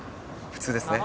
普通ですね。